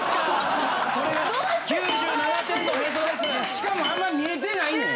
しかもあんま見えてないねん！